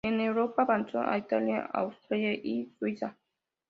En Europa, avanzó a Italia, Austria y Suiza.